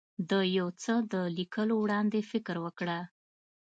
د یو څه د لیکلو وړاندې فکر وکړه.